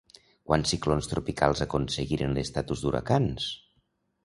Quants ciclons tropicals aconseguiren l'estatus d'huracans?